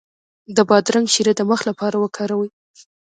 د بادرنګ شیره د مخ لپاره وکاروئ